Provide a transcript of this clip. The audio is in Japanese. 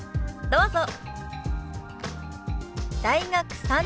どうぞ。